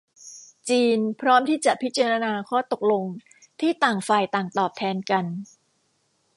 จีนพร้อมที่จะพิจารณาข้อตกลงที่ต่างฝ่ายต่างตอบแทนกัน